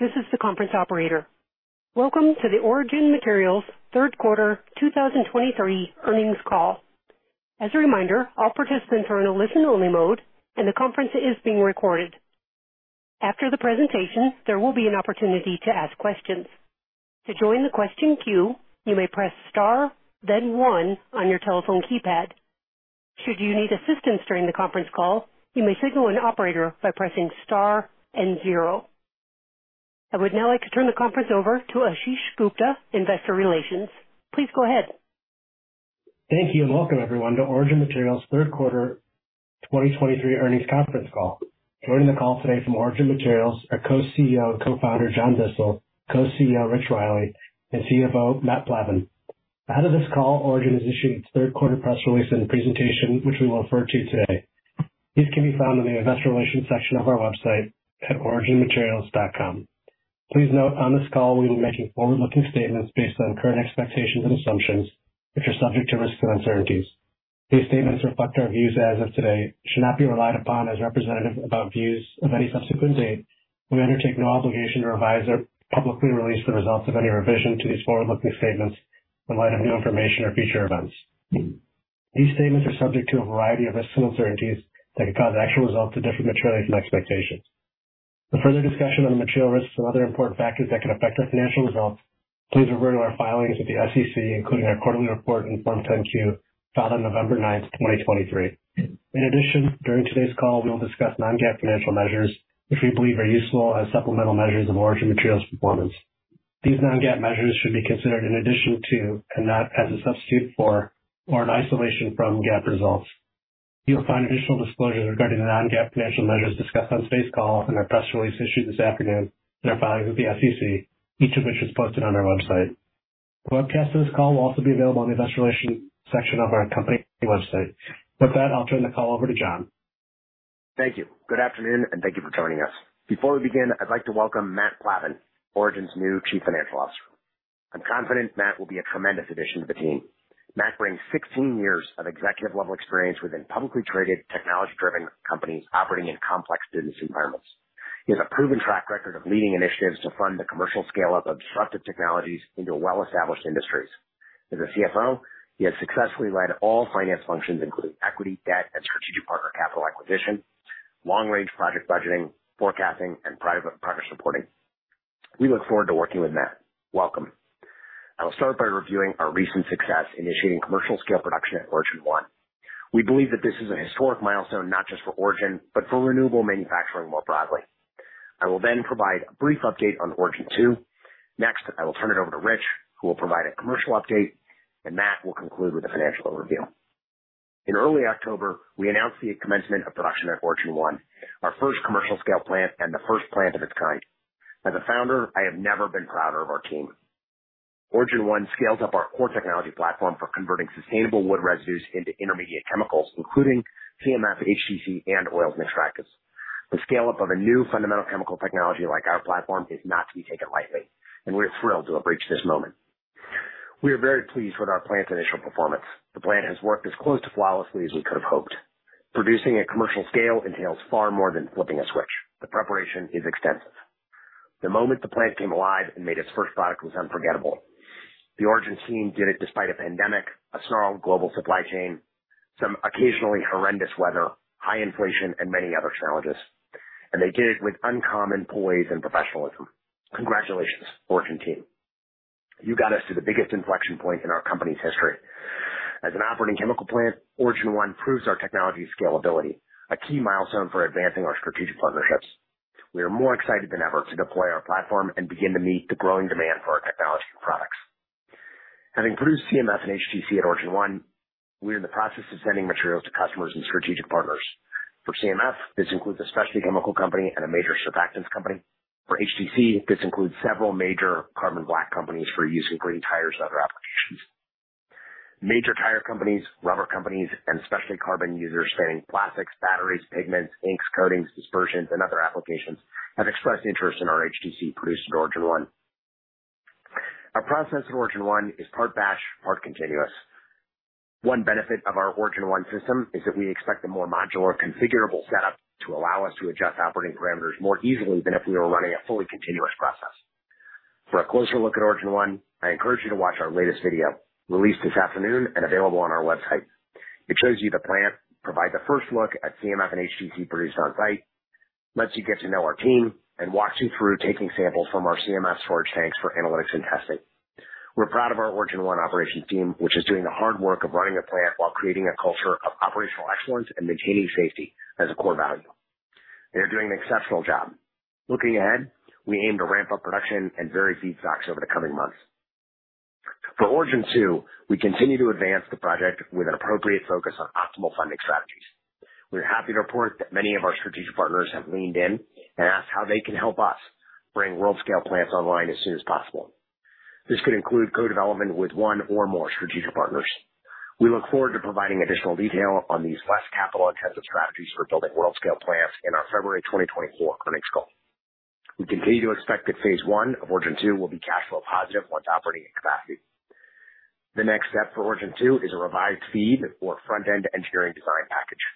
This is the conference operator. Welcome to the Origin Materials third quarter 2023 earnings call. As a reminder, all participants are in a listen-only mode, and the conference is being recorded. After the presentation, there will be an opportunity to ask questions. To join the question queue, you may press star, then one on your telephone keypad. Should you need assistance during the conference call, you may signal an operator by pressing star and zero. I would now like to turn the conference over to Ashish Gupta, Investor Relations. Please go ahead. Thank you, and welcome everyone to Origin Materials third quarter 2023 earnings conference call. Joining the call today from Origin Materials are Co-CEO and Co-founder, John Bissell, Co-CEO Rich Riley, and CFO Matt Plavan. Ahead of this call, Origin issued its third quarter press release and presentation, which we will refer to today. These can be found on the Investor Relations section of our website at originmaterials.com. Please note, on this call, we will be making forward-looking statements based on current expectations and assumptions, which are subject to risks and uncertainties. These statements reflect our views as of today, should not be relied upon as representative of our views of any subsequent date. We undertake no obligation to revise or publicly release the results of any revision to these forward-looking statements in light of new information or future events. These statements are subject to a variety of risks and uncertainties that could cause actual results to differ materially from expectations. For further discussion on the material risks and other important factors that could affect our financial results, please refer to our filings with the SEC, including our quarterly report and Form 10-Q filed on November 9, 2023. In addition, during today's call, we will discuss non-GAAP financial measures, which we believe are useful as supplemental measures of Origin Materials' performance. These non-GAAP measures should be considered in addition to, and not as a substitute for, or in isolation from GAAP results. You'll find additional disclosures regarding the non-GAAP financial measures discussed on today's call in our press release issued this afternoon and our filing with the SEC, each of which is posted on our website. The webcast of this call will also be available on the Investor Relations section of our company website. With that, I'll turn the call over to John. Thank you. Good afternoon, and thank you for joining us. Before we begin, I'd like to welcome Matt Plavan, Origin's new Chief Financial Officer. I'm confident Matt will be a tremendous addition to the team. Matt brings 16 years of executive-level experience within publicly traded, technology-driven companies operating in complex industry environments. He has a proven track record of leading initiatives to fund the commercial scale-up of disruptive technologies into well-established industries. As a CFO, he has successfully led all finance functions, including equity, debt, and strategic partner capital acquisition, long-range project budgeting, forecasting, and private partner supporting. We look forward to working with Matt. Welcome. I'll start by reviewing our recent success initiating commercial scale production at Origin 1. We believe that this is a historic milestone, not just for Origin, but for renewable manufacturing more broadly. I will then provide a brief update on Origin 2. Next, I will turn it over to Rich, who will provide a commercial update, and Matt will conclude with a financial overview. In early October, we announced the commencement of production at Origin 1, our first commercial scale plant and the first plant of its kind. As a Founder, I have never been prouder of our team. Origin 1 scales up our core technology platform for converting sustainable wood residues into intermediate chemicals, including CMF, HTC, and oils and extractives. The scale-up of a new fundamental chemical technology, like our platform, is not to be taken lightly, and we're thrilled to have reached this moment. We are very pleased with our plant's initial performance. The plant has worked as close to flawlessly as we could have hoped. Producing at commercial scale entails far more than flipping a switch. The preparation is extensive. The moment the plant came alive and made its first product was unforgettable. The Origin team did it despite a pandemic, a snarled global supply chain, some occasionally horrendous weather, high inflation, and many other challenges. They did it with uncommon poise and professionalism. Congratulations, Origin team. You got us to the biggest inflection point in our company's history. As an operating chemical plant, Origin 1 proves our technology scalability, a key milestone for advancing our strategic partnerships. We are more excited than ever to deploy our platform and begin to meet the growing demand for our technology and products. Having produced CMF and HTC at Origin 1, we are in the process of sending materials to customers and strategic partners. For CMF, this includes a specialty chemical company and a major surfactants company. For HTC, this includes several major carbon black companies for use in green tires and other applications. Major tire companies, rubber companies, and specialty carbon users spanning plastics, batteries, pigments, inks, coatings, dispersions, and other applications have expressed interest in our HTC produced at Origin 1. Our process at Origin 1 is part batch, part continuous. One benefit of our Origin 1 system is that we expect a more modular, configurable setup to allow us to adjust operating parameters more easily than if we were running a fully continuous process. For a closer look at Origin 1, I encourage you to watch our latest video, released this afternoon and available on our website. It shows you the plant, provide the first look at CMF and HTC produced on site, lets you get to know our team, and walks you through taking samples from our CMF storage tanks for analytics and testing. We're proud of our Origin 1 operations team, which is doing the hard work of running a plant while creating a culture of operational excellence and maintaining safety as a core value. They are doing an exceptional job. Looking ahead, we aim to ramp up production and vary feedstocks over the coming months. For Origin 2, we continue to advance the project with an appropriate focus on optimal funding strategies. We're happy to report that many of our strategic partners have leaned in and asked how they can help us bring world-scale plants online as soon as possible. This could include co-development with one or more strategic partners. We look forward to providing additional detail on these less capital-intensive strategies for building world-scale plants in our February 2024 earnings call. We continue to expect that phase I of Origin 2 will be cash flow positive once operating at capacity. The next step for Origin 2 is a revised FEED or front-end engineering design package.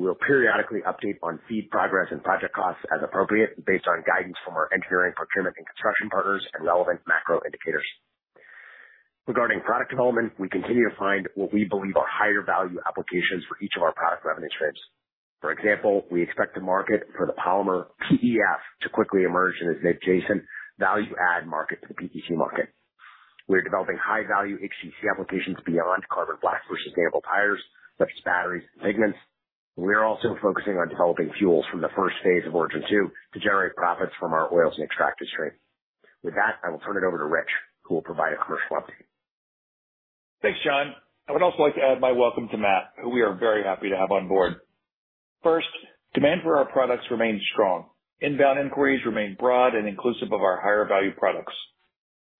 We'll periodically update on FEED progress and project costs as appropriate, based on guidance from our engineering, procurement, and construction partners and relevant macro indicators. Regarding product development, we continue to find what we believe are higher value applications for each of our product revenue streams. For example, we expect the market for the polymer PEF to quickly emerge in its adjacent value add market to the PET market. We are developing high value HTC applications beyond carbon black for sustainable tires, such as batteries, pigments. We are also focusing on developing fuels from the first phase of Origin 2 to generate profits from our oils and extracted stream. With that, I will turn it over to Rich, who will provide a commercial update. Thanks, John. I would also like to add my welcome to Matt, who we are very happy to have on board. First, demand for our products remains strong. Inbound inquiries remain broad and inclusive of our higher value products.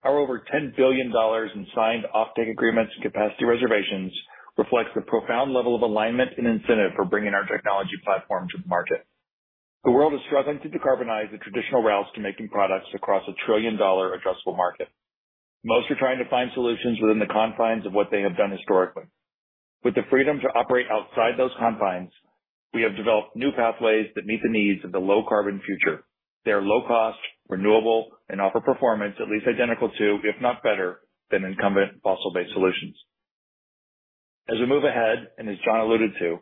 Our over $10 billion in signed offtake agreements and capacity reservations reflects the profound level of alignment and incentive for bringing our technology platform to market. The world is struggling to decarbonize the traditional routes to making products across a trillion-dollar addressable market. Most are trying to find solutions within the confines of what they have done historically. With the freedom to operate outside those confines, we have developed new pathways that meet the needs of the low carbon future. They are low cost, renewable, and offer performance at least identical to, if not better than, incumbent fossil based solutions. As we move ahead, and as John alluded to,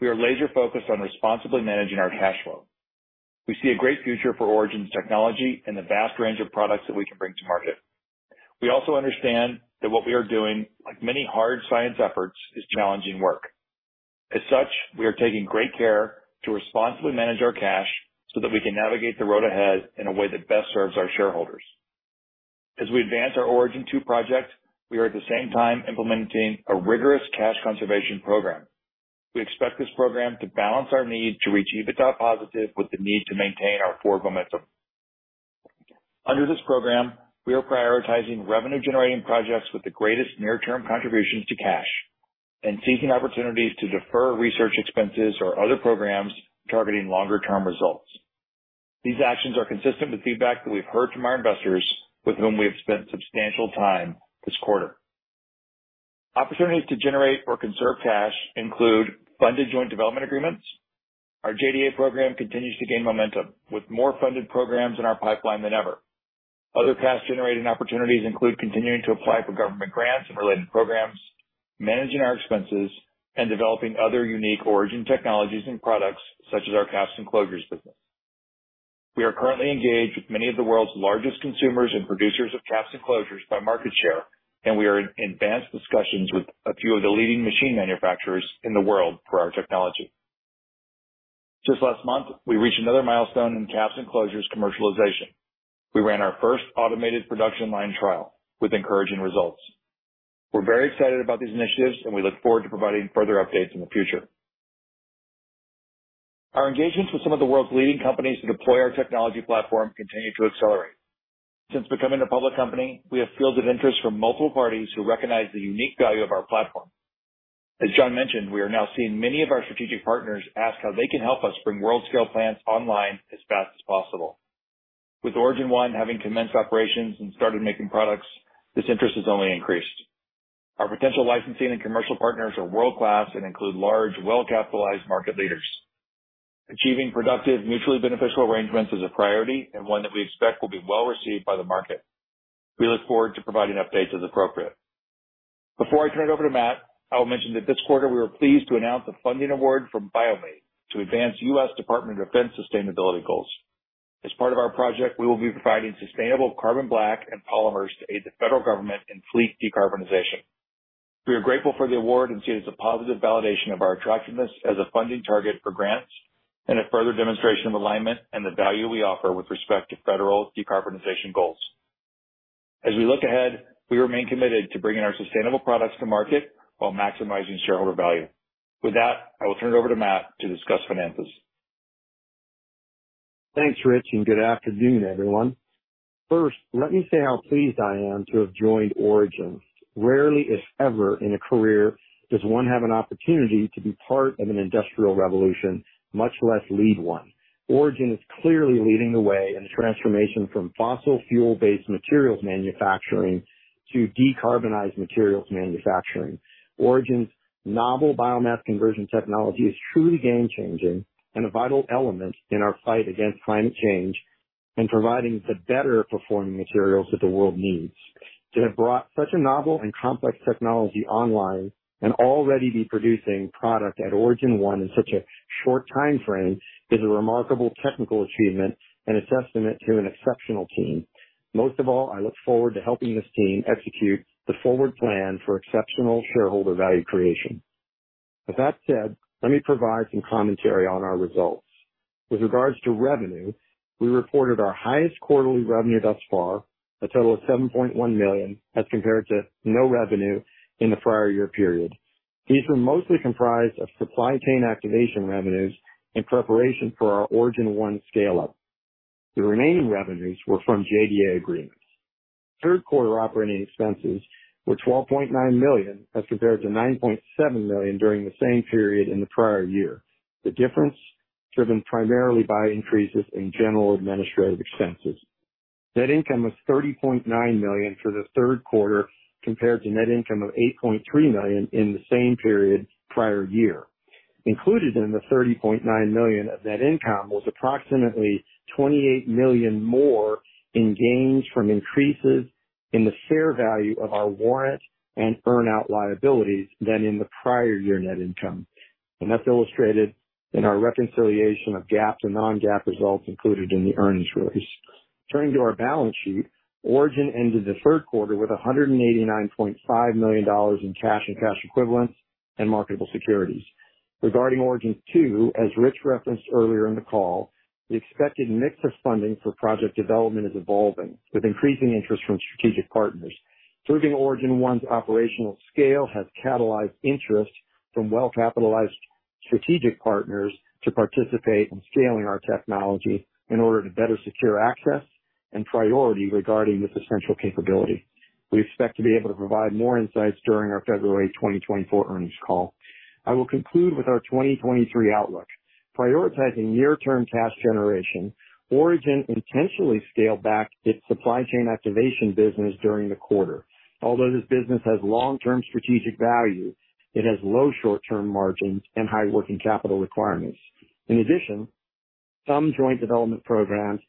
we are laser focused on responsibly managing our cash flow. We see a great future for Origin's technology and the vast range of products that we can bring to market. We also understand that what we are doing, like many hard science efforts, is challenging work. As such, we are taking great care to responsibly manage our cash so that we can navigate the road ahead in a way that best serves our shareholders. As we advance our Origin 2 project, we are at the same time implementing a rigorous cash conservation program. We expect this program to balance our need to reach EBITDA positive with the need to maintain our forward momentum. Under this program, we are prioritizing revenue generating projects with the greatest near-term contributions to cash and seeking opportunities to defer research expenses or other programs targeting longer term results. These actions are consistent with feedback that we've heard from our investors, with whom we have spent substantial time this quarter. Opportunities to generate or conserve cash include funded joint development agreements. Our JDA program continues to gain momentum, with more funded programs in our pipeline than ever. Other cash generating opportunities include continuing to apply for government grants and related programs, managing our expenses, and developing other unique Origin technologies and products such as our caps and closures business. We are currently engaged with many of the world's largest consumers and producers of caps and closures by market share, and we are in advanced discussions with a few of the leading machine manufacturers in the world for our technology. Just last month, we reached another milestone in caps and closures commercialization. We ran our first automated production line trial with encouraging results. We're very excited about these initiatives, and we look forward to providing further updates in the future. Our engagements with some of the world's leading companies to deploy our technology platform continue to accelerate. Since becoming a public company, we have fields of interest from multiple parties who recognize the unique value of our platform. As John mentioned, we are now seeing many of our strategic partners ask how they can help us bring world-scale plants online as fast as possible. With Origin 1 having commenced operations and started making products, this interest has only increased. Our potential licensing and commercial partners are world-class and include large, well-capitalized market leaders. Achieving productive, mutually beneficial arrangements is a priority and one that we expect will be well received by the market. We look forward to providing updates as appropriate. Before I turn it over to Matt, I will mention that this quarter we were pleased to announce a funding award from BioMADE to advance U.S. Department of Defense sustainability goals. As part of our project, we will be providing sustainable carbon black and polymers to aid the federal government in fleet decarbonization. We are grateful for the award and see it as a positive validation of our attractiveness as a funding target for grants and a further demonstration of alignment and the value we offer with respect to federal decarbonization goals. As we look ahead, we remain committed to bringing our sustainable products to market while maximizing shareholder value. With that, I will turn it over to Matt to discuss finances. Thanks, Rich, and good afternoon, everyone. First, let me say how pleased I am to have joined Origin. Rarely, if ever, in a career does one have an opportunity to be part of an industrial revolution, much less lead one. Origin is clearly leading the way in the transformation from fossil fuel-based materials manufacturing to decarbonized materials manufacturing. Origin's novel biomass conversion technology is truly game changing and a vital element in our fight against climate change and providing the better performing materials that the world needs. To have brought such a novel and complex technology online and already be producing product at Origin 1 in such a short time frame, is a remarkable technical achievement and a testament to an exceptional team. Most of all, I look forward to helping this team execute the forward plan for exceptional shareholder value creation. With that said, let me provide some commentary on our results. With regards to revenue, we reported our highest quarterly revenue thus far, a total of $7.1 million, as compared to no revenue in the prior year period. These were mostly comprised of supply chain activation revenues in preparation for our Origin 1 scale up. The remaining revenues were from JDA agreements. Third quarter operating expenses were $12.9 million, as compared to $9.7 million during the same period in the prior year. The difference, driven primarily by increases in general administrative expenses. Net income was $30.9 million for the third quarter, compared to net income of $8.3 million in the same period prior year. Included in the $30.9 million of net income was approximately $28 million more in gains from increases in the fair value of our warrant and earn-out liabilities than in the prior year net income. That's illustrated in our reconciliation of GAAP to non-GAAP results included in the earnings release. Turning to our balance sheet, Origin ended the third quarter with $189.5 million in cash and cash equivalents and marketable securities. Regarding Origin 2, as Rich referenced earlier in the call, the expected mix of funding for project development is evolving, with increasing interest from strategic partners. Serving Origin 1 operational scale has catalyzed interest from well-capitalized strategic partners to participate in scaling our technology in order to better secure access and priority regarding this essential capability. We expect to be able to provide more insights during our February 2024 earnings call. I will conclude with our 2023 outlook. Prioritizing near-term cash generation, Origin intentionally scaled back its supply chain activation business during the quarter. Although this business has long-term strategic value, it has low short-term margins and high working capital requirements. In addition, some joint development programs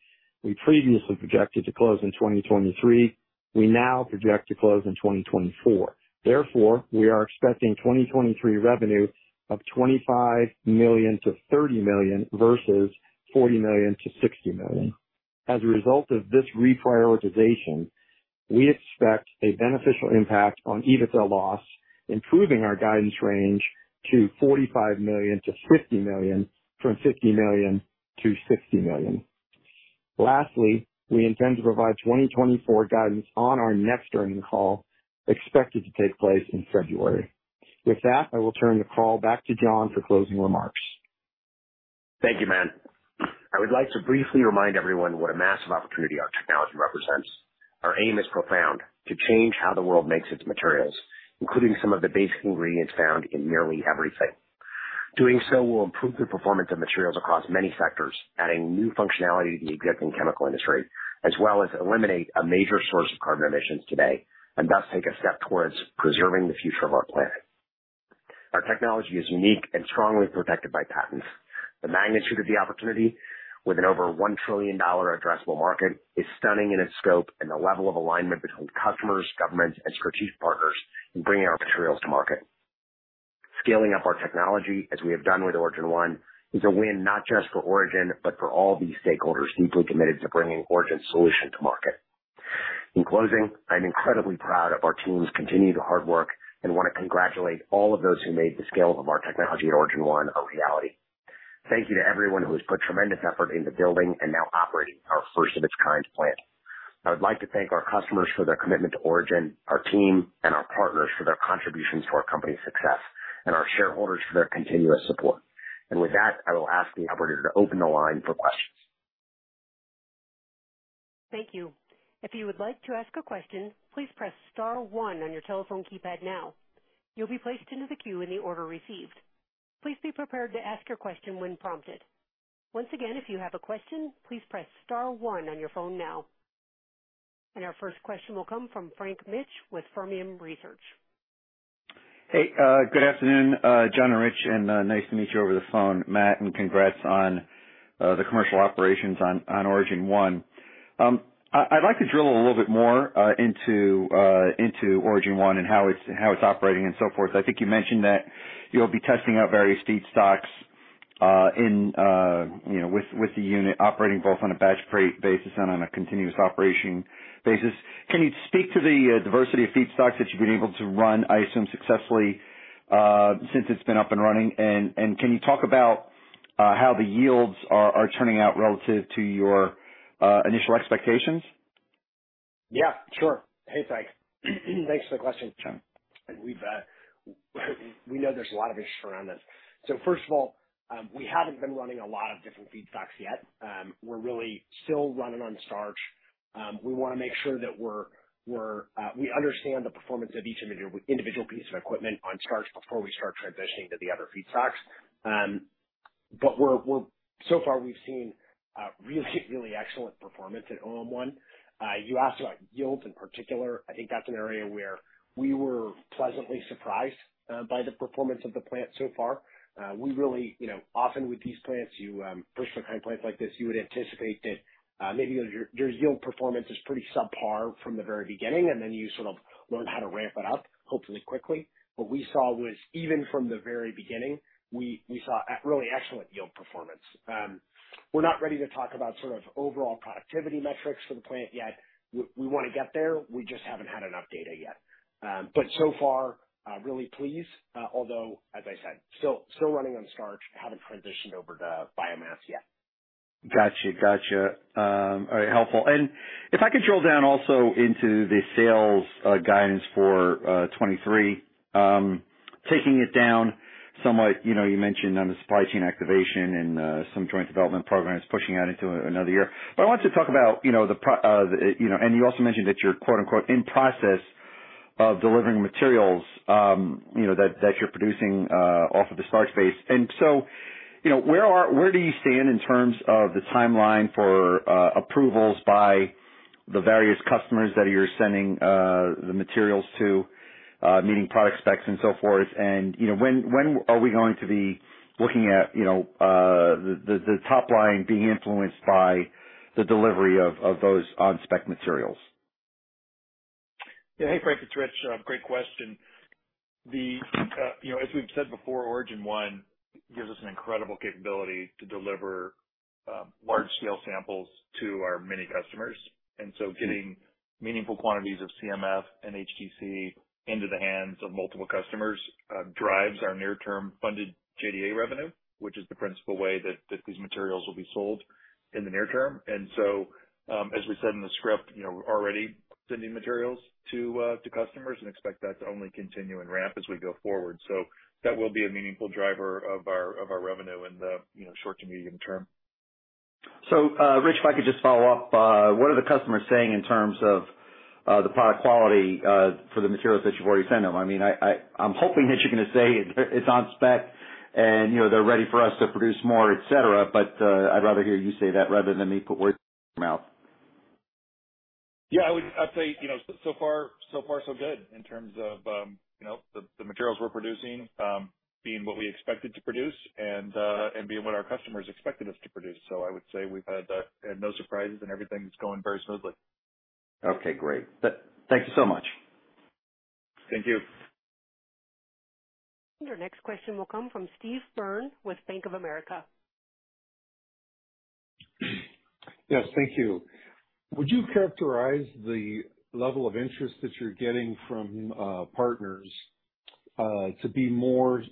we previously projected to close in 2023, we now project to close in 2024. Therefore, we are expecting 2023 revenue of $25 million-$30 million, versus $40 million-$60 million. As a result of this reprioritization, we expect a beneficial impact on EBITDA loss, improving our guidance range to $45 million-$50 million from $50 million-$60 million. Lastly, we intend to provide 2024 guidance on our next earnings call, expected to take place in February. With that, I will turn the call back to John for closing remarks. Thank you, Matt. I would like to briefly remind everyone what a massive opportunity our technology represents. Our aim is profound: to change how the world makes its materials, including some of the basic ingredients found in nearly everything. Doing so will improve the performance of materials across many sectors, adding new functionality to the existing chemical industry, as well as eliminate a major source of carbon emissions today, and thus take a step towards preserving the future of our planet. Our technology is unique and strongly protected by patents. The magnitude of the opportunity, with an over $1 trillion addressable market, is stunning in its scope and the level of alignment between customers, governments, and strategic partners in bringing our materials to market. Scaling up our technology, as we have done with Origin 1, is a win not just for Origin, but for all the stakeholders deeply committed to bringing Origin's solution to market. In closing, I'm incredibly proud of our team's continued hard work and want to congratulate all of those who made the scale of our technology at Origin 1 a reality. Thank you to everyone who has put tremendous effort into building and now operating our first-of-its-kind plant. I would like to thank our customers for their commitment to Origin, our team, and our partners for their contributions to our company's success, and our shareholders for their continuous support. With that, I will ask the operator to open the line for questions. Thank you. If you would like to ask a question, please press star one on your telephone keypad now. You'll be placed into the queue in the order received. Please be prepared to ask your question when prompted. Once again, if you have a question, please press star one on your phone now. Our first question will come from Frank Mitsch with Fermium Research. Hey, good afternoon, John and Rich, and nice to meet you over the phone, Matt, and congrats on the commercial operations on Origin 1. I'd like to drill a little bit more into Origin 1 and how it's operating and so forth. I think you mentioned that you'll be testing out various feedstocks, you know, with the unit operating both on a batch basis and on a continuous operation basis. Can you speak to the diversity of feedstocks that you've been able to run, I assume, successfully, since it's been up and running? And can you talk about how the yields are turning out relative to your initial expectations? Yeah, sure. Hey, thanks. Thanks for the question, Mitsch. We know there's a lot of interest around this. So first of all, we haven't been running a lot of different feedstocks yet. We're really still running on starch. We wanna make sure that we understand the performance of each individual piece of equipment on starch before we start transitioning to the other feedstocks. But so far, we've seen really, really excellent performance at OM-1. You asked about yields in particular. I think that's an area where we were pleasantly surprised by the performance of the plant so far. We really, you know, often with these plants, you first-of-kind plants like this, you would anticipate that maybe your yield performance is pretty subpar from the very beginning, and then you sort of learn how to ramp it up, hopefully quickly. What we saw was, even from the very beginning, we saw really excellent yield performance. We're not ready to talk about sort of overall productivity metrics for the plant yet. We wanna get there. We just haven't had enough data yet. But so far, really pleased, although, as I said, still running on starch. Haven't transitioned over to biomass yet. Gotcha, gotcha. All right, helpful. And if I could drill down also into the sales guidance for 2023. Taking it down somewhat, you know, you mentioned on the supply chain activation and some joint development programs pushing out into another year. But I want to talk about, you know, and you also mentioned that you're quote, unquote, in process-... of delivering materials, you know, that you're producing off of the Sarnia base. And so, you know, where do you stand in terms of the timeline for approvals by the various customers that you're sending the materials to meeting product specs and so forth? And, you know, when are we going to be looking at, you know, the top line being influenced by the delivery of those on-spec materials? Yeah. Hey, Frank, it's Rich. Great question. The, you know, as we've said before, Origin 1 gives us an incredible capability to deliver large scale samples to our many customers. And so getting meaningful quantities of CMF and HTC into the hands of multiple customers drives our near term funded JDA revenue, which is the principal way that these materials will be sold in the near term. And so, as we said in the script, you know, we're already sending materials to customers and expect that to only continue and ramp as we go forward. So that will be a meaningful driver of our revenue in the, you know, short to medium term. So, Rich, if I could just follow up, what are the customers saying in terms of the product quality for the materials that you've already sent them? I mean, I'm hoping that you're going to say it's on spec and, you know, they're ready for us to produce more, et cetera, but I'd rather hear you say that rather than me put words in your mouth. Yeah, I would say, you know, so far, so far, so good in terms of, you know, the materials we're producing, being what we expected to produce and being what our customers expected us to produce. So I would say we've had no surprises and everything's going very smoothly. Okay, great. Thank you so much. Thank you. Your next question will come from Steve Byrne with Bank of America. Yes, thank you. Would you characterize the level of interest that you're getting from, partners, to be more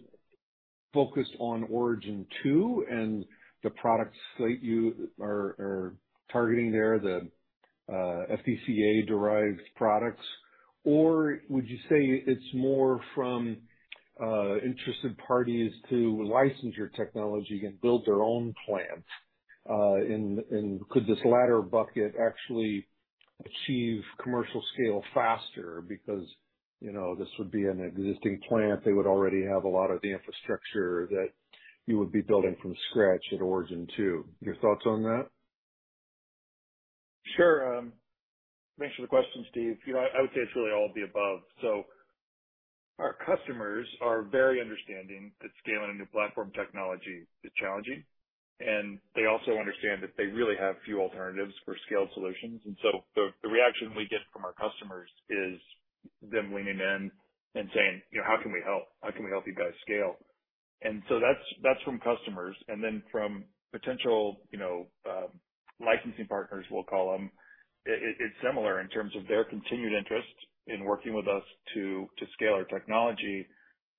focused on Origin 2 and the products that you are targeting there, the, FDCA-derived products? Or would you say it's more from, interested parties to license your technology and build their own plants? And could this latter bucket actually achieve commercial scale faster because, you know, this would be an existing plant, they would already have a lot of the infrastructure that you would be building from scratch at Origin 2. Your thoughts on that? Sure. Thanks for the question, Steve. You know, I would say it's really all of the above. So our customers are very understanding that scaling a new platform technology is challenging, and they also understand that they really have few alternatives for scaled solutions. And so the reaction we get from our customers is them leaning in and saying: "You know, how can we help? How can we help you guys scale?" And so that's from customers. And then from potential, you know, licensing partners, we'll call them, it's similar in terms of their continued interest in working with us to scale our technology.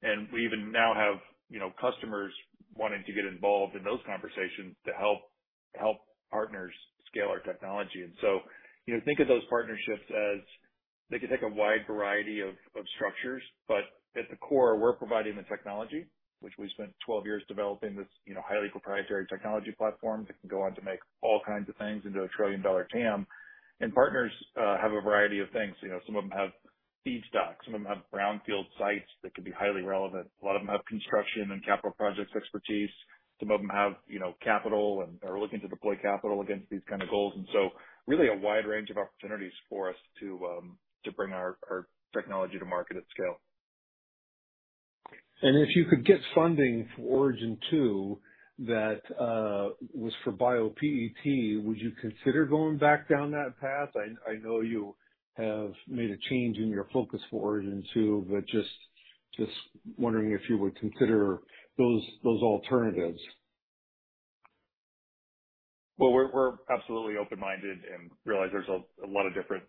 And we even now have, you know, customers wanting to get involved in those conversations to help partners scale our technology. And so, you know, think of those partnerships as they can take a wide variety of structures, but at the core, we're providing the technology, which we spent 12 years developing this, you know, highly proprietary technology platform that can go on to make all kinds of things into a trillion-dollar TAM. And partners have a variety of things. You know, some of them have feedstock, some of them have brownfield sites that can be highly relevant. A lot of them have construction and capital projects expertise. Some of them have, you know, capital and are looking to deploy capital against these kind of goals. And so really a wide range of opportunities for us to bring our technology to market at scale. And if you could get funding for Origin 2, that was for bio PET, would you consider going back down that path? I, I know you have made a change in your focus for Origin 2, but just, just wondering if you would consider those, those alternatives. Well, we're absolutely open-minded and realize there's a lot of different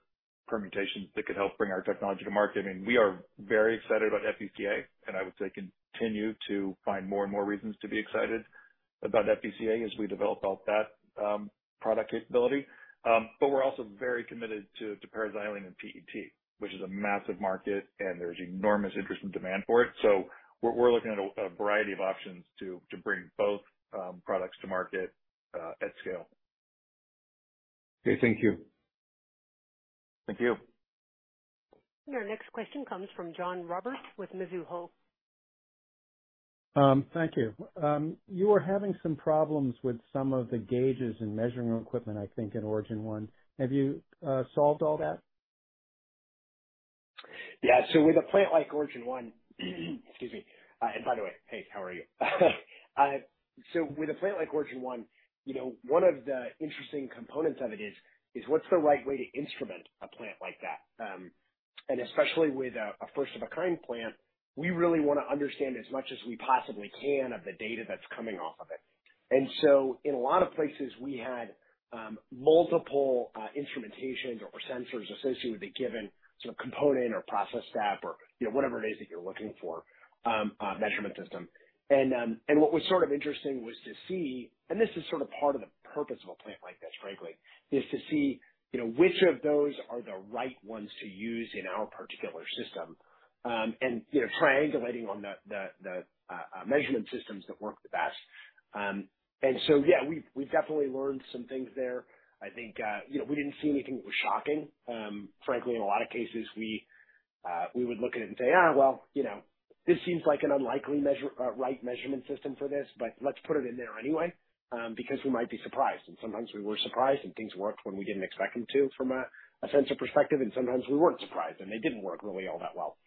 permutations that could help bring our technology to market. I mean, we are very excited about FDCA, and I would say continue to find more and more reasons to be excited about FDCA as we develop out that product capability. But we're also very committed to paraxylene and PET, which is a massive market, and there's enormous interest and demand for it. So we're looking at a variety of options to bring both products to market at scale. Okay. Thank you. Thank you. Your next question comes from John Roberts with Mizuho. Thank you. You were having some problems with some of the gauges and measuring equipment, I think, in Origin 1. Have you solved all that? Yeah. So with a plant like Origin 1... Excuse me. And by the way, hey, how are you? So with a plant like Origin 1, you know, one of the interesting components of it is what's the right way to instrument a plant like that? And especially with a first-of-a-kind plant, we really want to understand as much as we possibly can of the data that's coming off of it. And so in a lot of places, we had multiple instrumentations or sensors associated with a given sort of component or process step or, you know, whatever it is that you're looking for, measurement system. What was sort of interesting was to see, and this is sort of part of the purpose of a plant like this, frankly, is to see, you know, which of those are the right ones to use in our particular system. And, you know, triangulating on the measurement systems that work the best. And so, yeah, we've definitely learned some things there. I think, you know, we didn't see anything that was shocking. Frankly, in a lot of cases, we, we would look at it and say, "Ah, well, you know, this seems like an unlikely measure, right measurement system for this, but let's put it in there anyway, because we might be surprised." And sometimes we were surprised, and things worked when we didn't expect them to, from a sensor perspective, and sometimes we weren't surprised, and they didn't work really all that well.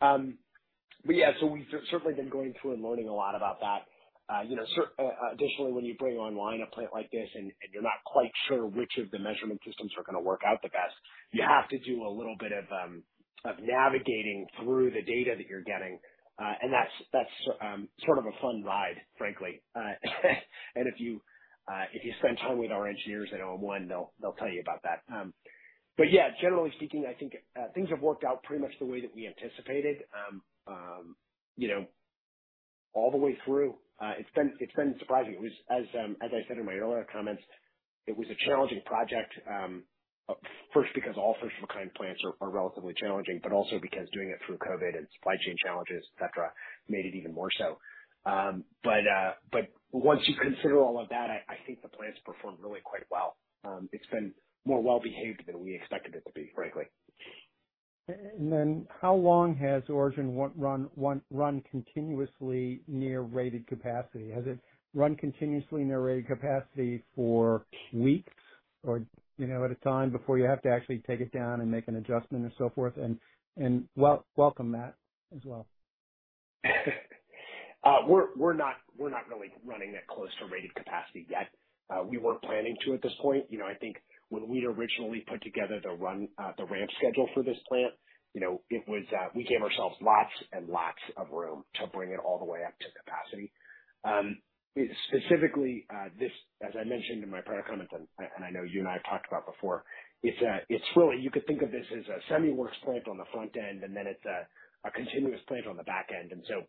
But yeah, so we've certainly been going through and learning a lot about that. You know, additionally, when you bring online a plant like this and you're not quite sure which of the measurement systems are gonna work out the best, you have to do a little bit of navigating through the data that you're getting. And that's sort of a fun ride, frankly. And if you spend time with our engineers at Origin 1, they'll tell you about that. But yeah, generally speaking, I think things have worked out pretty much the way that we anticipated. You know, all the way through, it's been surprising. It was, as I said in my earlier comments, it was a challenging project. First, because all first-of-a-kind plants are relatively challenging, but also because doing it through COVID and supply chain challenges, et cetera, made it even more so. But once you consider all of that, I think the plant's performed really quite well. It's been more well-behaved than we expected it to be, frankly. And then how long has Origin 1 run continuously near rated capacity? Has it run continuously near rated capacity for weeks or, you know, at a time before you have to actually take it down and make an adjustment or so forth? And welcome, Matt, as well. We're not really running it close to rated capacity yet. We weren't planning to at this point. You know, I think when we originally put together the run, the ramp schedule for this plant, you know, it was, we gave ourselves lots and lots of room to bring it all the way up to capacity. Specifically, this, as I mentioned in my prior comment, and I know you and I have talked about before, it's really... You could think of this as a semiworks plant on the front end, and then it's a continuous plant on the back end. And so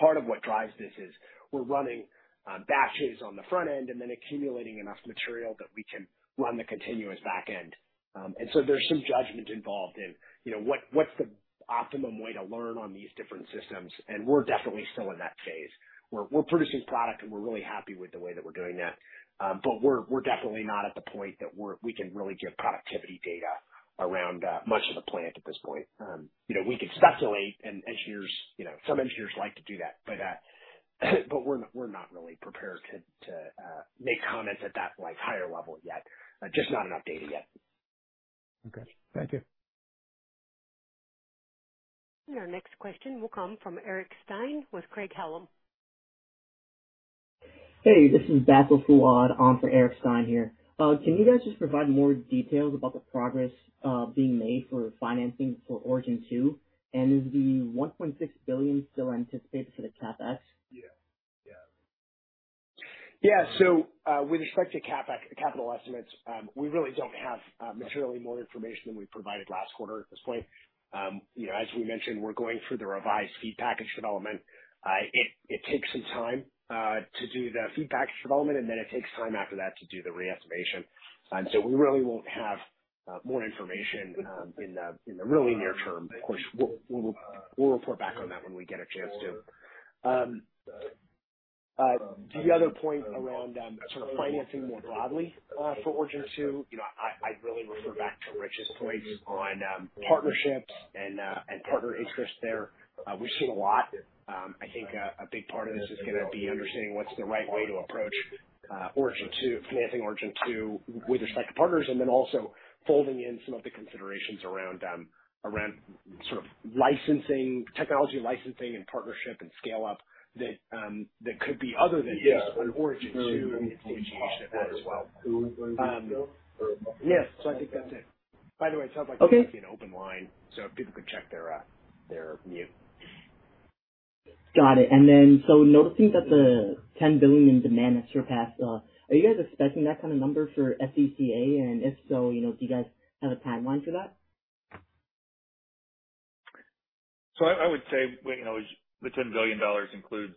part of what drives this is we're running batches on the front end and then accumulating enough material that we can run the continuous back end. And so there's some judgment involved in, you know, what's the optimum way to learn on these different systems? And we're definitely still in that phase. We're producing product, and we're really happy with the way that we're doing that. But we're definitely not at the point that we can really give productivity data around much of the plant at this point. You know, we can speculate, and engineers, you know, some engineers like to do that, but we're not really prepared to make comments at that, like, higher level yet. Just not enough data yet. Okay, thank you. Your next question will come from Eric Stine with Craig-Hallum. Hey, this is Basil Fouad on for Eric Stine here. Can you guys just provide more details about the progress being made for financing for Origin 2, and is the $1.6 billion still anticipated for the CapEx? Yeah. Yeah. Yeah. So, with respect to CapEx, capital estimates, we really don't have materially more information than we provided last quarter at this point. You know, as we mentioned, we're going through the revised feed package development. It takes some time to do the feed package development, and then it takes time after that to do the re-estimation. And so we really won't have more information in the really near term. Of course, we'll report back on that when we get a chance to. To the other point around sort of financing more broadly for Origin 2, you know, I'd really refer back to Rich's points on partnerships and partner interest there. We've seen a lot. I think a big part of this is gonna be understanding what's the right way to approach Origin 2, financing Origin 2 with respect to partners, and then also folding in some of the considerations around sort of licensing, technology licensing and partnership and scale up that that could be other than just on Origin 2 and stage of that as well. Yes, so I think that's it. By the way, it sounds like- Okay. There's an open line, so if people could check their mute. Got it. And then, so noticing that the 10 billion in demand has surpassed, are you guys expecting that kind of number for FDCA? And if so, you know, do you guys have a timeline for that? So I would say, you know, the $10 billion includes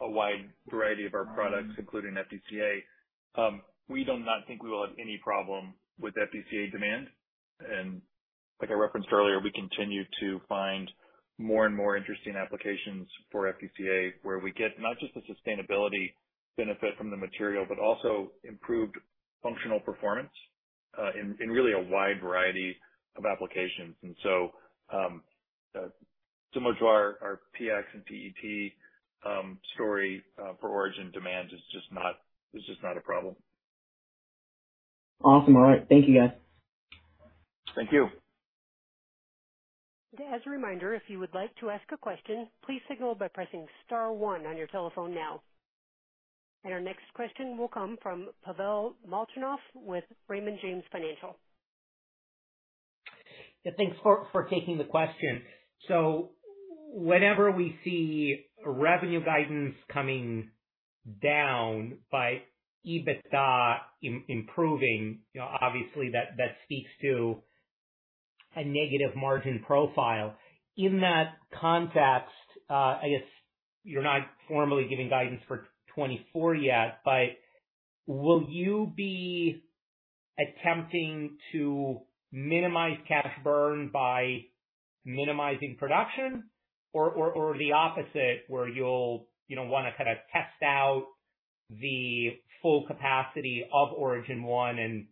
a wide variety of our products, including FDCA. We do not think we will have any problem with FDCA demand, and like I referenced earlier, we continue to find more and more interesting applications for FDCA, where we get not just the sustainability benefit from the material, but also improved functional performance in really a wide variety of applications. And so, similar to our PX and PET story for Origin, demand is just not a problem. Awesome. All right. Thank you, guys. Thank you. As a reminder, if you would like to ask a question, please signal by pressing star one on your telephone now. Our next question will come from Pavel Molchanov with Raymond James Financial. Yeah, thanks for taking the question. So whenever we see revenue guidance coming down by EBITDA improving, you know, obviously that speaks to a negative margin profile. In that context, I guess you're not formally giving guidance for 2024 yet, but will you be attempting to minimize cash burn by minimizing production or the opposite, where you'll, you know, want to kind of test out the full capacity of Origin 1 and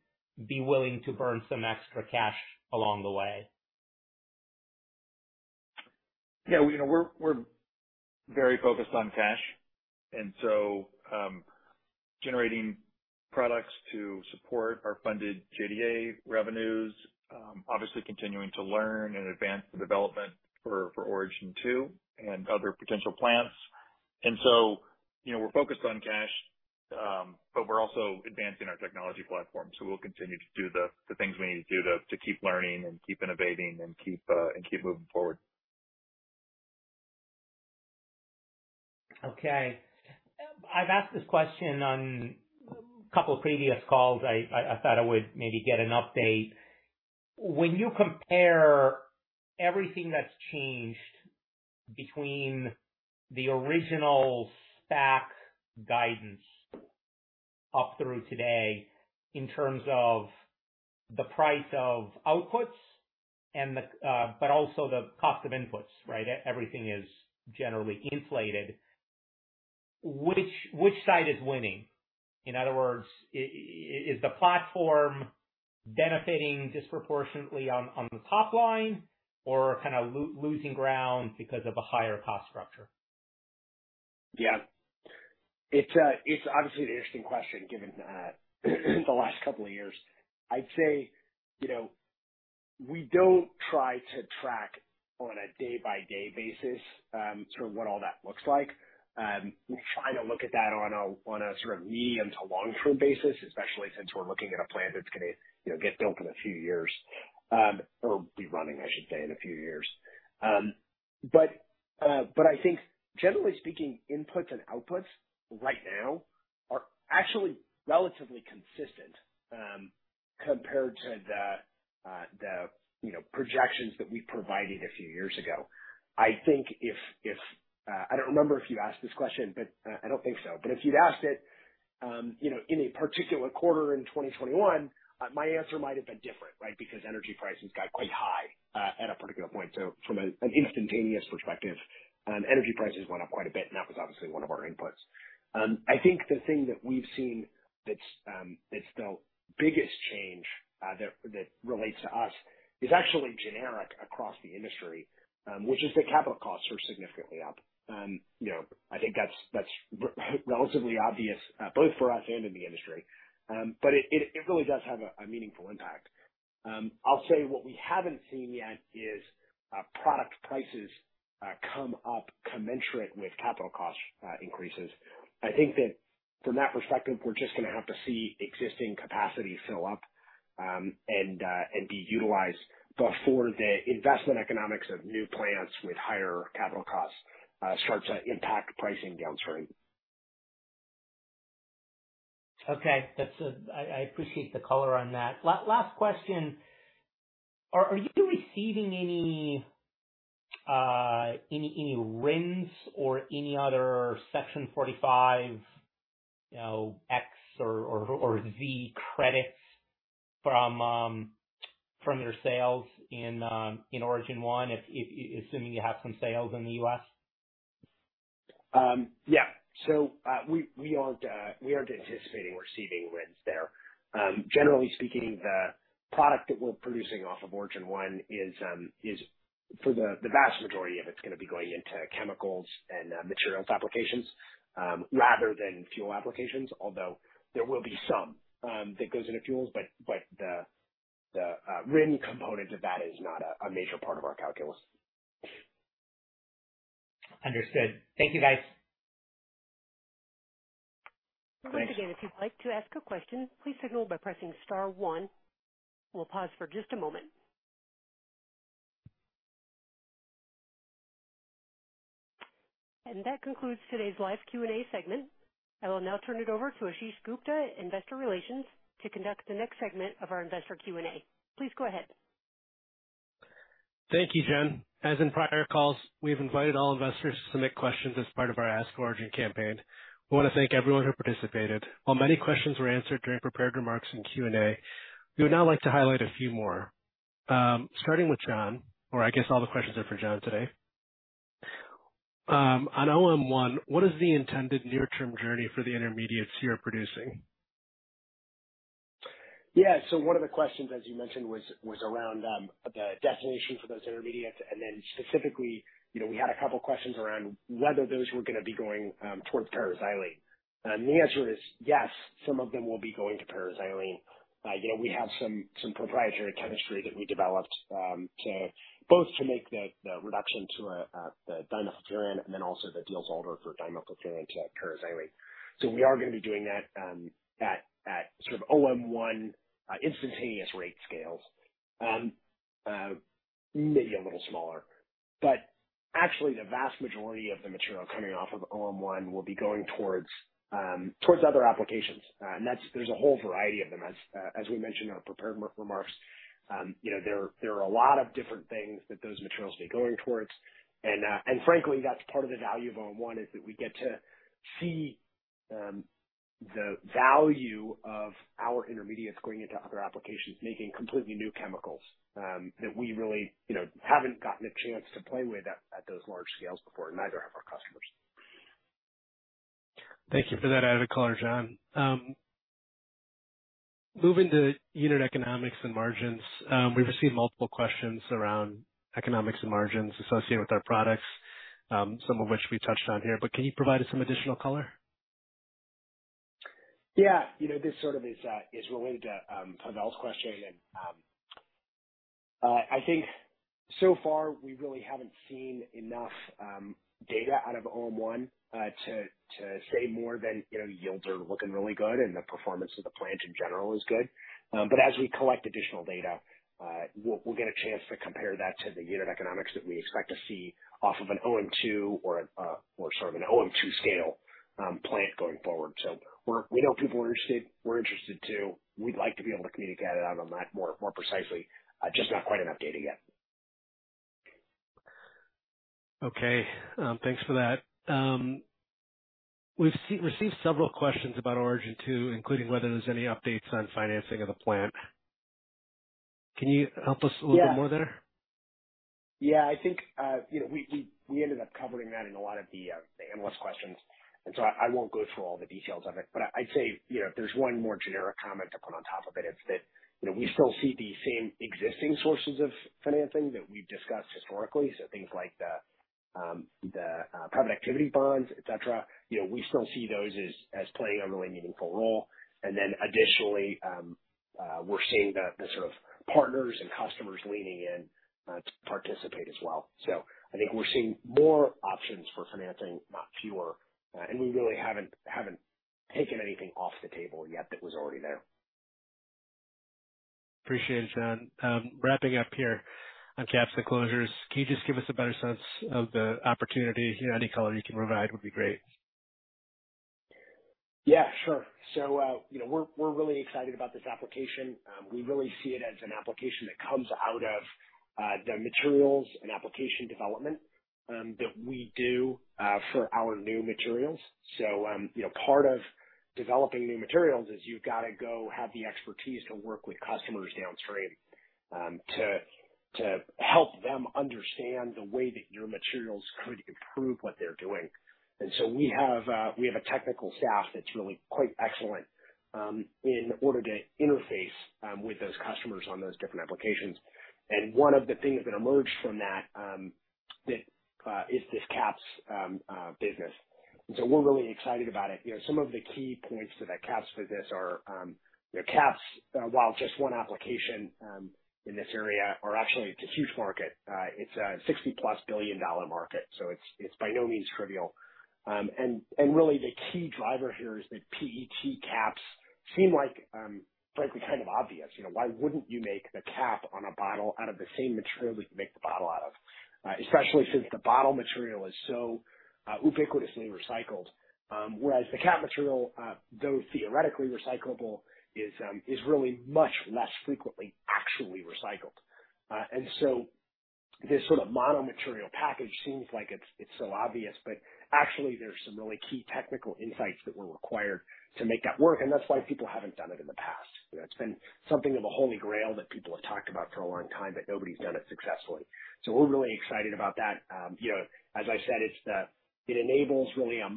be willing to burn some extra cash along the way? Yeah, you know, we're very focused on cash, and so, generating products to support our funded JDA revenues, obviously continuing to learn and advance the development for Origin 2 and other potential plants. And so, you know, we're focused on cash, but we're also advancing our technology platform. So we'll continue to do the things we need to do to keep learning and keep innovating and keep and keep moving forward. Okay. I've asked this question on a couple of previous calls. I thought I would maybe get an update. When you compare everything that's changed between the original SPAC guidance up through today in terms of the price of outputs and the, but also the cost of inputs, right? Everything is generally inflated. Which side is winning? In other words, is the platform benefiting disproportionately on the top line or kind of losing ground because of a higher cost structure? Yeah. It's obviously an interesting question, given the last couple of years. I'd say, you know, we don't try to track on a day-by-day basis, sort of what all that looks like. We try to look at that on a sort of medium to long-term basis, especially since we're looking at a plant that's gonna, you know, get built in a few years, or be running, I should say, in a few years. But I think generally speaking, inputs and outputs right now are actually relatively consistent, compared to the projections that we provided a few years ago. I think if—I don't remember if you asked this question, but I don't think so. But if you'd asked it, you know, in a particular quarter in 2021, my answer might have been different, right? Because energy prices got quite high, at a particular point. So from an instantaneous perspective, energy prices went up quite a bit, and that was obviously one of our inputs. I think the thing that we've seen that's the biggest change that relates to us is actually generic across the industry, which is that capital costs are significantly up. You know, I think that's relatively obvious, both for us and in the industry. But it really does have a meaningful impact. I'll say what we haven't seen yet is product prices come up commensurate with capital cost increases. I think that from that perspective, we're just gonna have to see existing capacity fill up, and be utilized before the investment economics of new plants with higher capital costs starts to impact pricing downstream. Okay, that's. I, I appreciate the color on that. Last question, are, are you receiving any, any, any RINs or any other Section 45, you know, X or, or, or Z credits from, from your sales in, in Origin 1, if assuming you have some sales in the U.S.? Yeah. So, we aren't anticipating receiving RINs there. Generally speaking, the product that we're producing off of Origin 1 is for the vast majority of it's gonna be going into chemicals and materials applications, rather than fuel applications, although there will be some that goes into fuels. But the RIN component of that is not a major part of our calculus. Understood. Thank you, guys. Once again, if you'd like to ask a question, please signal by pressing star one. We'll pause for just a moment. That concludes today's live Q&A segment. I will now turn it over to Ashish Gupta, Investor Relations, to conduct the next segment of our investor Q&A. Please go ahead. Thank you, Jen. As in prior calls, we've invited all Investors to submit questions as part of our Ask Origin campaign. We want to thank everyone who participated. While many questions were answered during prepared remarks in Q&A, we would now like to highlight a few more. Starting with John, or I guess all the questions are for John today. On OM-1, what is the intended near term journey for the intermediates you are producing? Yeah. So one of the questions, as you mentioned, was, was around the destination for those intermediates. And then specifically, you know, we had a couple questions around whether those were gonna be going towards Paraxylene. And the answer is yes, some of them will be going to Paraxylene. You know, we have some proprietary chemistry that we developed to both make the reduction to the dimethylfuran and then also the Diels-Alder for dimethylfuran to Paraxylene. So we are gonna be doing that at sort of OM-1 instantaneous rate scales, maybe a little smaller. But actually the vast majority of the material coming off of OM-1 will be going towards other applications. And that's -- there's a whole variety of them, as we mentioned in our prepared remarks. You know, there are a lot of different things that those materials be going towards. And frankly, that's part of the value of OM-1, is that we get to see the value of our intermediates going into other applications, making completely new chemicals that we really, you know, haven't gotten a chance to play with at those large scales before, and neither have our customers. Thank you for that added color, John. Moving to unit economics and margins. We've received multiple questions around economics and margins associated with our products, some of which we touched on here, but can you provide us some additional color? Yeah, you know, this sort of is related to Pavel's question, and I think so far, we really haven't seen enough data out of OM-1 to say more than, you know, yields are looking really good and the performance of the plant in general is good. But as we collect additional data, we'll get a chance to compare that to the unit economics that we expect to see off of an OM-2 or sort of an OM-2 scale plant going forward. So we know people are interested, we're interested, too. We'd like to be able to communicate it out on that more precisely, just not quite enough data yet. Okay, thanks for that. We've received several questions about Origin 2, including whether there's any updates on financing of the plant. Can you help us a little bit more there? Yeah, I think, you know, we ended up covering that in a lot of the analyst questions, and so I won't go through all the details of it, but I'd say, you know, if there's one more generic comment to put on top of it, it's that, you know, we still see the same existing sources of financing that we've discussed historically. So things like the private activity bonds, et cetera, you know, we still see those as playing a really meaningful role. And then additionally, we're seeing the sort of partners and customers leaning in to participate as well. So I think we're seeing more options for financing, not fewer, and we really haven't taken anything off the table yet that was already there. Appreciate it, John. Wrapping up here on caps and closures, can you just give us a better sense of the opportunity? Any color you can provide would be great. Yeah, sure. So, you know, we're really excited about this application. We really see it as an application that comes out of the materials and application development that we do for our new materials. So, you know, part of developing new materials is you've got to go have the expertise to work with customers downstream to help them understand the way that your materials could improve what they're doing. And so we have a technical staff that's really quite excellent in order to interface with those customers on those different applications. And one of the things that emerged from that is this caps business. And so we're really excited about it. You know, some of the key points to the caps for this are, the caps, while just one application, in this area, are actually it's a huge market. It's a $60+ billion market, so it's, it's by no means trivial. And, and really the key driver here is that PET caps seem like, frankly, kind of obvious. You know, why wouldn't you make the cap on a bottle out of the same material that you make the bottle out of? Especially since the bottle material is so, ubiquitously recycled. Whereas the cap material, though theoretically recyclable, is, is really much less frequently actually recycled. And so this sort of mono material package seems like it's, it's so obvious, but actually there's some really key technical insights that were required to make that work, and that's why people haven't done it in the past. You know, it's been something of a holy grail that people have talked about for a long time, but nobody's done it successfully. So we're really excited about that. You know, as I said, it's the... It enables really a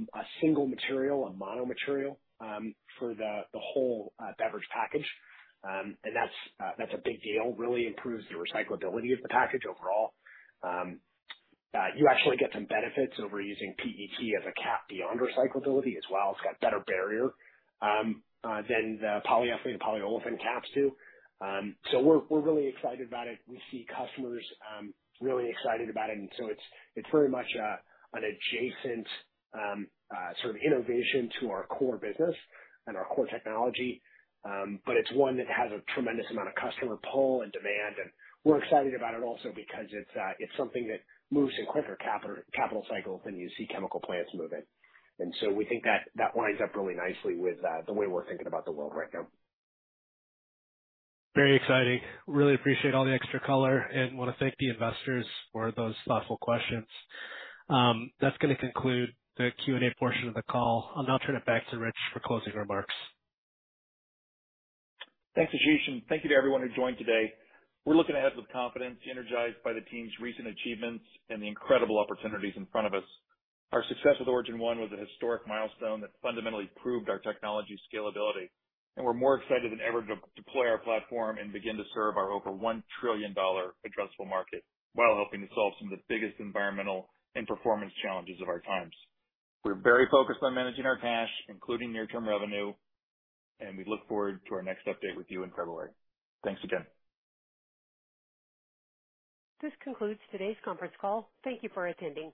single material, a mono material, for the whole beverage package. And that's a big deal, really improves the recyclability of the package overall. You actually get some benefits over using PET as a cap beyond recyclability as well. It's got better barrier than the polyethylene, polyolefin caps do. So we're really excited about it. We see customers, really excited about it, and so it's, it's very much, an adjacent, sort of innovation to our core business and our core technology. But it's one that has a tremendous amount of customer pull and demand, and we're excited about it also because it's, it's something that moves in quicker capital cycles than you see chemical plants moving. And so we think that that lines up really nicely with, the way we're thinking about the world right now. Very exciting. Really appreciate all the extra color and want to thank the Investors for those thoughtful questions. That's going to conclude the Q&A portion of the call. I'll now turn it back to Rich for closing remarks. Thanks, Ashish, and thank you to everyone who joined today. We're looking ahead with confidence, energized by the team's recent achievements and the incredible opportunities in front of us. Our success with Origin 1 was a historic milestone that fundamentally proved our technology scalability, and we're more excited than ever to deploy our platform and begin to serve our over $1 trillion addressable market, while helping to solve some of the biggest environmental and performance challenges of our times. We're very focused on managing our cash, including near-term revenue, and we look forward to our next update with you in February. Thanks again. This concludes today's conference call. Thank you for attending.